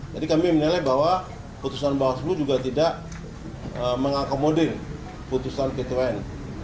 jadi kami menilai bahwa putusan bawaslu juga tidak mengakomodin putusan pt un